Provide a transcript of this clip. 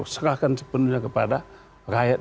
serahkan sepenuhnya kepada rakyat